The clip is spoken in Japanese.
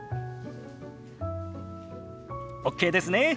ＯＫですね。